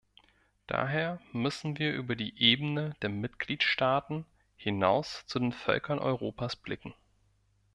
Daher müssen wir über die Ebene der Mitgliedstaaten hinaus zu den Völkern Europas blicken.